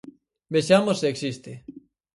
Vexamos se existe.